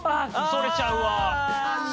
それちゃうわ。